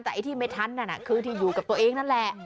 แต่ไอ้ที่ไม่ทันนั่นคือที่อยู่กับตัวเองนั่นแหละ